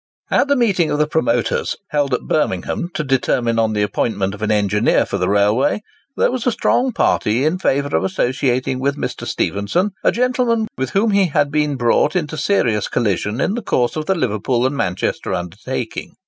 At the meeting of the promoters held at Birmingham to determine on the appointment of the engineer for the railway, there was a strong party in favour of associating with Mr. Stephenson a gentleman with whom he had been brought into serious collision in the course of the Liverpool and Manchester undertaking.